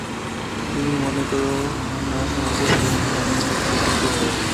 তুমি মনে কোরো না সমাজের ভালোমন্দ আমি কিছুই বিচার করি নে।